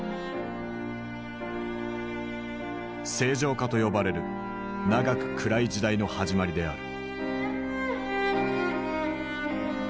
「正常化」と呼ばれる長く暗い時代の始まりである。